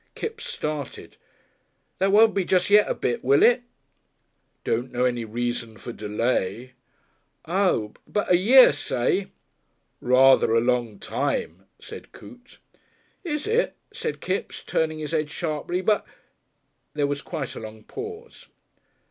Kipps started. "That won't be just yet a bit, will it?" "Don't know any reason for delay." "Oo, but a year, say." "Rather a long time," said Coote. "Is it?" said Kipps, turning his head sharply. "But " There was quite a long pause.